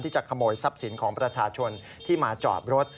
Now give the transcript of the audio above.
จะขโมยทรัพย์สินของประชาชนที่มาจอดรถ